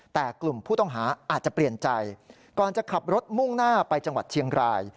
แต่กลุ่มผู้ต้องหาอาจจะเปลี่ยนใจก่อนจะขับรถมุ่งหน้าไปจังหวัดเชียงราย